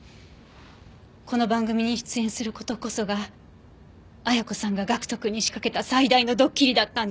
この番組に出演する事こそが綾子さんが岳人くんに仕掛けた最大のどっきりだったんです。